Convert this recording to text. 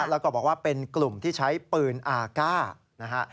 แล้วก็บอกว่าเป็นกลุ่มที่ใช้ปืนอากาศนะฮะ